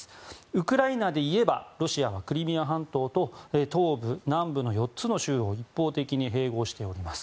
ウクライナでいえばロシアはクリミア半島と東部、南部の４つの州を一方的に併合しています。